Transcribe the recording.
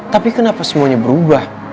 tapi kenapa semuanya berubah